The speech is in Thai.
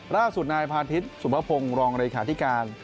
ล่าสุดนายพาทิศสุภพงศ์รองเลขาธิการ